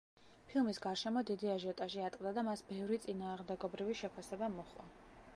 ფილმის გარშემო დიდი აჟიოტაჟი ატყდა და მას ბევრი წინააღმდეგობრივი შეფასება მოჰყვა.